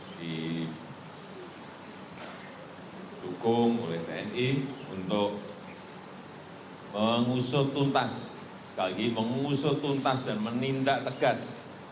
di dukung oleh tni untuk mengusutuntas sekali lagi mengusutuntas dan menindak tegas